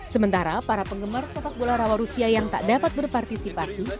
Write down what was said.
sementara para penggemar sepak bola rawa rusia yang tak dapat berpartisipasi